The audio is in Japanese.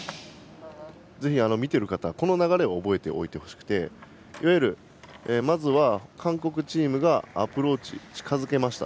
ぜひ見てる方この流れを覚えてほしくていわゆるまずは、韓国チームがアプローチ、近づけました。